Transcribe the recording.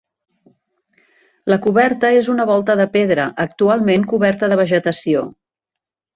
La coberta és una volta de pedra, actualment coberta de vegetació.